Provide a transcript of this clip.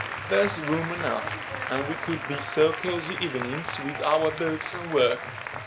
There's room enough, and we could be so cosy evenings with our books and work.